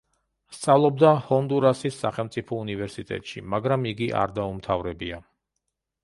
სწავლობდა ჰონდურასის სახელმწიფო უნივერსიტეტში, მაგრამ იგი არ დაუმთავრებია.